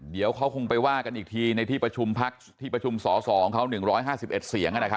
เดี๋ยวเขาคงไปว่ากันอีกทีในที่ประชุมพักที่ประชุมสสเขา๑๕๑เสียง